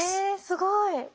えすごい。